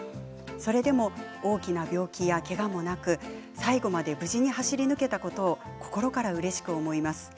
それでも大きな病気やけがもなく最後まで無事に走り抜けたことを心からうれしく思います。